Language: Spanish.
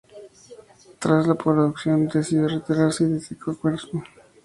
Tras la producción, decidió retirarse y dedicó el tiempo a instruir a nuevos actores.